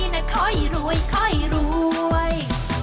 น่ะคอยรวยรวย